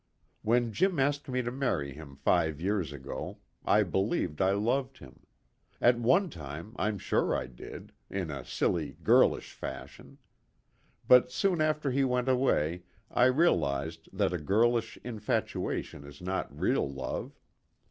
"When Jim asked me to marry him five years ago I believed I loved him. At one time I'm sure I did, in a silly, girlish fashion. But soon after he went away I realized that a girlish infatuation is not real love.